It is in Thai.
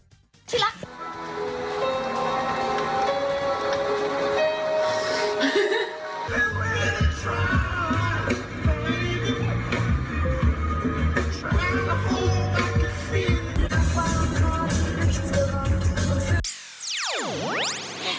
ที่รัก